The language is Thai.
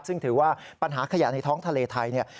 ซึ่งถือว่าปัญหาขยะในท้องทะเลไทยเนี่ย